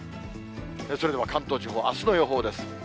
それでは関東地方、あすの予報です。